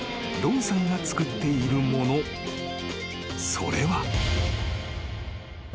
［それは］